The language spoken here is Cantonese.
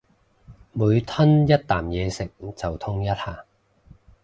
每吞一啖嘢食就痛一下